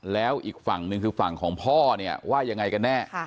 แล้วอีกฝั่งหนึ่งคือฝั่งของพ่อเนี่ยว่ายังไงกันแน่